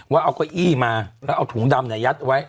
ว่าเอาก้อยอี้มาแล้วเอาถุงดำไหนยัดไว้